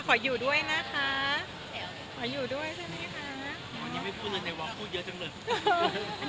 ขออยู่ด้วยนะคะ